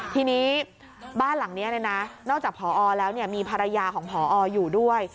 ทีนี้บ้านหลังนี้นอกจากผอแล้วมีภรรยาของพออยู่ด้วย